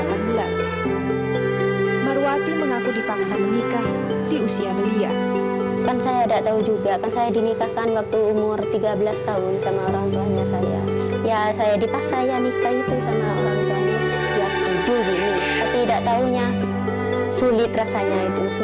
marwati mengaku dipaksa menikah di usia belia